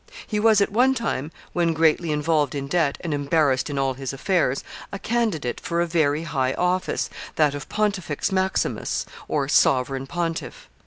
He was at one time, when greatly involved in debt, and embarrassed in all his affairs, a candidate for a very high office, that of Pontifex Maximus, or sovereign pontiff.